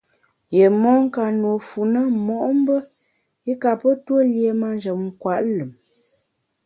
Yié mon ka nùe fu na mo’mbe i kape tue lié manjem nkwet lùm.